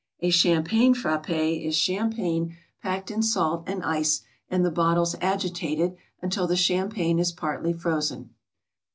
A Champagne Frappé is champagne packed in salt and ice and the bottles agitated until the champagne is partly frozen.